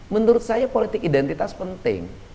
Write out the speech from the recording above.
menurut saya politik identitas penting